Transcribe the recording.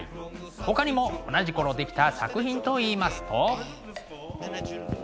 ほかにも同じ頃出来た作品といいますと。